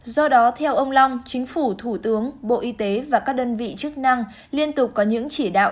do đó theo ông long chính phủ thủ tướng bộ y tế và các đơn vị chức năng liên tục có những chỉ đạo